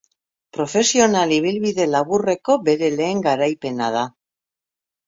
Profesional ibilbide laburreko bere lehen garaipena da.